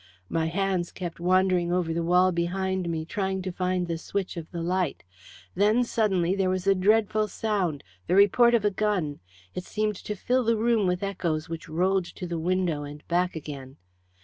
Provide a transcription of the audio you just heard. My hands kept wandering over the wall behind me, trying to find the switch of the light. Then, suddenly, there was a dreadful sound the report of a gun. It seemed to fill the room with echoes, which rolled to the window and back again.